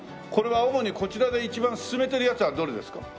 これは主にこちらで一番薦めてるやつはどれですか？